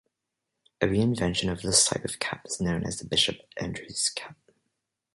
A reinvention of this type of cap is known as the Bishop Andrewes cap.